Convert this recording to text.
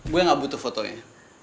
gue gak butuh fotonya